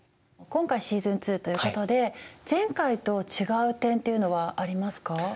今回シーズン２ということで前回と違う点というのはありますか？